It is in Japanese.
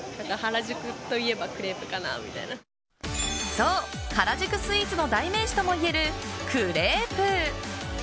そう、原宿スイーツの代名詞ともいえるクレープ！